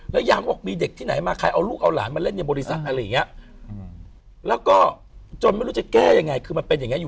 แล้วย้ำออกมีเด็กที่ไหนมา